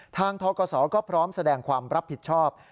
ทกศก็พร้อมแสดงความรับผิดชอบ